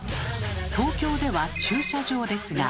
東京では「駐車場」ですが。